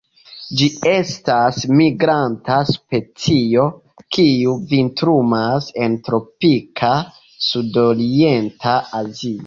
Ĝi estas migranta specio, kiu vintrumas en tropika sudorienta Azio.